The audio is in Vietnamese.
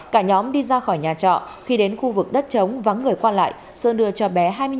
cả nhóm đi ra khỏi nhà trọ khi đến khu vực đất trống vắng người quan lại sơn đưa cho bé